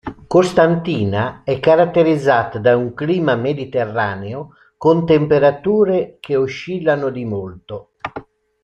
Costantina è caratterizzata da un clima mediterraneo con temperature che oscillano di molto.